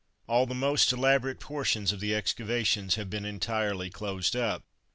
All the most elaborate portions of the excavations have been entirely closed up.